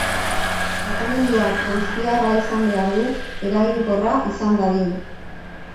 Tratamenduak goiztiarra izan behar du eraginkorra izan dadin.